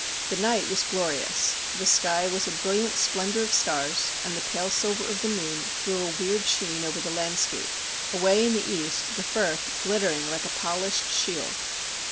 The night was glorious. The sky was a brilliant splendour of stars, and the pale silver of the moon threw a weird sheen over the landscape, away in the east the Firth glittering like a polished shield.